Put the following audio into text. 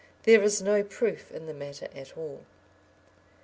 There is no proof in the matter at all.